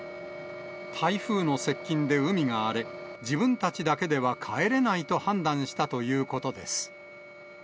台風の接近で海が荒れ、自分たちだけでは帰れないと判断したということです。